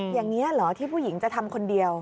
อย่างนี้เหรอที่ผู้หญิงจะทำคนเดียว